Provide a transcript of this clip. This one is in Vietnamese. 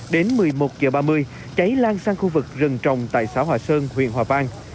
đến một mươi một h ba mươi cháy lan sang khu vực rừng trồng tại xã hòa sơn huyện hòa vang